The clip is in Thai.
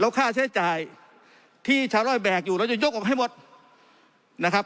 ค่าใช้จ่ายที่ชาวร่อยแบกอยู่เราจะยกออกให้หมดนะครับ